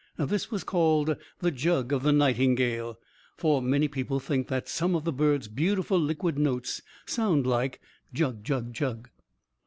This was called "The Jug of the Nightingale," for many people think that some of the bird's beautiful, liquid notes sound like "jug, jug, jug!"